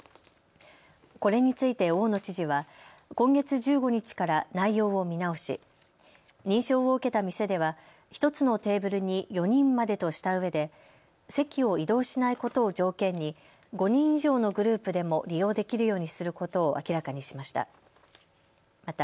これについて大野知事は今月１５日から内容を見直し認証を受けた店では１つのテーブルに４人までとしたうえで席を移動しないことを条件に５人以上のグループでも利用できるようにすることを明らかにしました。